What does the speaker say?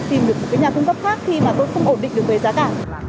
tìm được một cái nhà cung cấp khác khi mà tôi không ổn định được về giá cả